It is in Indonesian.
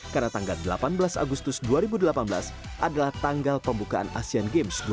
karena tanggal delapan belas agustus dua ribu delapan belas adalah tanggal pembukaan asian games dua ribu delapan belas